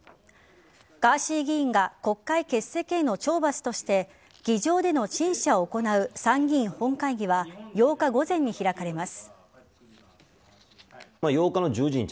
ガーシー議員が国会欠席への懲罰として議場での陳謝を行う参議院本会議は８日午前に開かれます。